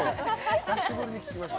久しぶりに聞きました。